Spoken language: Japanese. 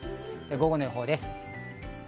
午後の予報です。